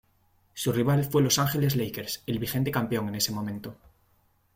Su rival fue Los Angeles Lakers, el vigente campeón en ese momento.